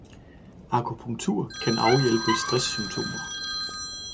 Akupunktur kan afhjælpe stresssymptomer